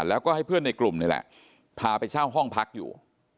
แล้วก็ให้เพื่อนในกลุ่มนี่แหละพาไปเช่าห้องพักอยู่